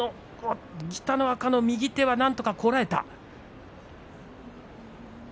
北の若の右手はなんとかこらえた。